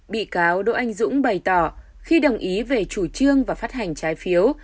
bị cáo đỗ anh dũng bày tỏ khi đồng ý về chủ trương và phát hành trái phiếu